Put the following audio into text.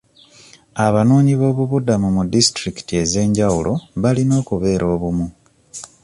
Abanoonyi b'obubuddamu mu disitulikiti ez'enjawulo balina okubeera obumu..